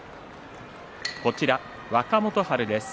若元春です。